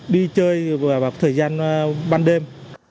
đi chơi vào thời gian ban đêm